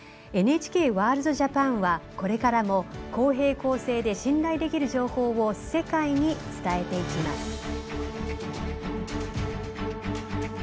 「ＮＨＫワールドＪＡＰＡＮ」はこれからも公平・公正で信頼できる情報を世界に伝えていきます。